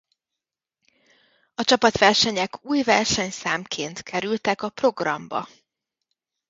A csapatversenyek új versenyszámként kerültek a programba.